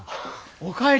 お帰り！